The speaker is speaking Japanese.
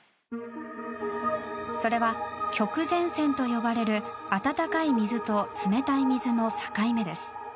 それは極前線と呼ばれる温かい水と冷たい水の境目です。